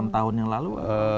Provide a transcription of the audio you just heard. enam tahun yang lalu